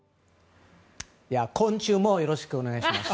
こんちゅうもよろしくお願いします。